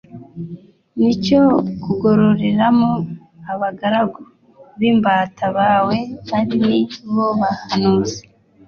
n’icyo kugororereramo abagaragu b’imbata bawe ari ni bo bahanuzi,